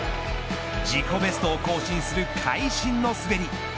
自己ベストを更新する会心の滑り。